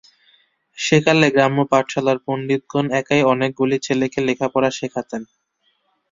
সে-কালে গ্রাম্য-পাঠশালার পণ্ডিতগণ একাই অনেকগুলি ছেলেকে লেখাপড়া শেখাতেন।